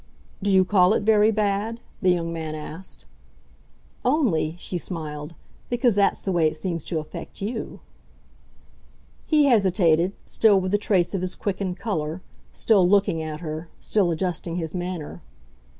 "Do you call it very bad?" the young man asked. "Only," she smiled, "because that's the way it seems to affect YOU." He hesitated, still with the trace of his quickened colour, still looking at her, still adjusting his manner.